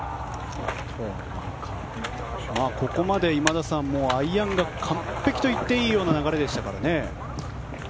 ここまで今田さん、アイアンが完璧といっていいような流れでしたからね。